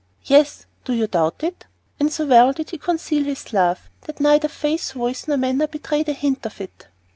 "Yes; do you doubt it?" And so well did he conceal his love, that neither face, voice, nor manner betrayed a hint of it.